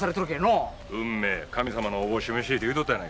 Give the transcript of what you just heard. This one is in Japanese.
運命神様の思し召しって言うとったやないか。